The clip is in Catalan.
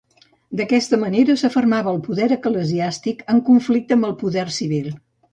D'aquesta manera s'afermava el poder eclesiàstic, en conflicte amb el poder civil.